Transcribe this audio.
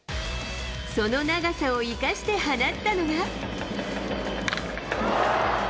その長さを生かして放ったのが。